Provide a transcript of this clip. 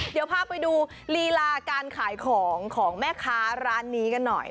เดี๋ยวพาไปดูลีลาการขายของของแม่ค้าร้านนี้กันหน่อย